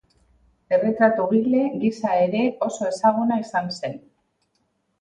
Erretratugile gisa ere oso ezaguna izan zen.